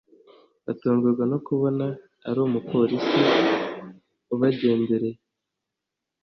atungurwa nokubona ari umupolice ubagendereye